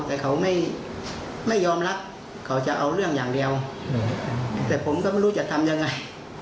แต่เขาไม่ยอมรับเขาจะเอาเรื่องอย่างเดียวแต่ผมก็ไม่รู้จะทำยังไง